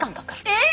えっ！？